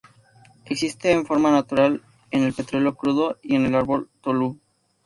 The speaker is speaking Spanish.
Existe en forma natural en el petróleo crudo y en el árbol tolú.